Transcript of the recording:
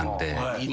今。